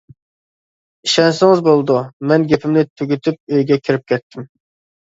-ئىشەنسىڭىز بولىدۇ، -مەن گېپىمنى تۈگىتىپ ئۆيگە كىرىپ كەتتىم.